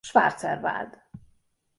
Schwarzer Wald.